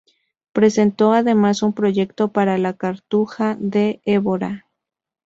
Presentó además un proyecto para la Cartuja de Évora.